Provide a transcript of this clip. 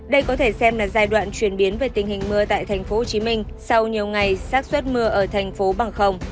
đây có thể xem là giai đoạn chuyển biến về tình hình mưa tại tp hcm sau nhiều ngày sát xuất mưa ở tp hcm